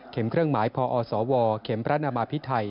เครื่องหมายพอสวเข็มพระนามาพิไทย